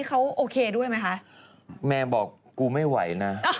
ก็ไม่ได้บอกกูไม่ไหว